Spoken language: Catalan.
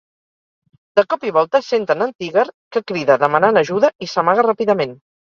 De cop i volta, senten en Tigger que crida demanant ajuda i s'amaga ràpidament.